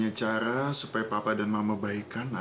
aduh kalau gitu kalau kita baru sampai hitung